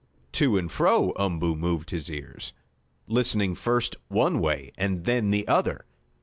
To and fro Umboo moved his ears, listening first one way and then the other.